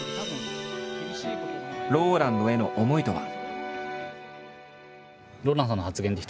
ＲＯＬＡＮＤへの思いとは。